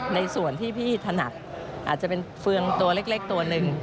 ในส่วนที่พี่ถนัดอาจจะเป็นเฟืองตัวเล็กตัวหนึ่ง